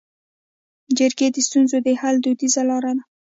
جرګې د ستونزو د حل دودیزه لاره ده